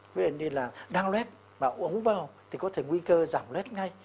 ví dụ như là đang lết mà uống vào thì có thể nguy cơ giảm lết ngay